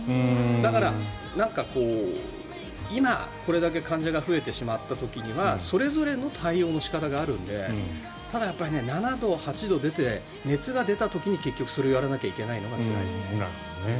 だから、今、これだけ患者が増えてしまった時にはそれぞれの対応の仕方があるのでただやっぱり３７度、３８度出て熱が出た時に、結局それをやらなきゃいけないのがつらいですね。